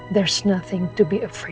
tidak ada apa apa yang harus saya khawatirkan